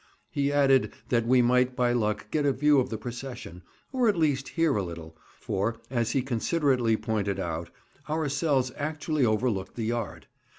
He added that we might by luck get a view of the procession, or at least hear a little, for, as he considerately pointed out, our cells actually overlooked the yard.